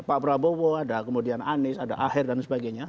pak prabowo ada kemudian anies ada aher dan sebagainya